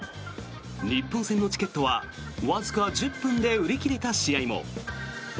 日本戦のチケットはわずか１０分で売り切れた試合も。